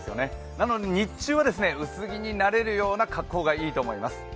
なのに日中は薄着になれるような格好がいいと思います。